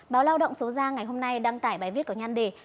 báo lao động số giang ngày hôm nay đăng tải bài viết có nhăn đề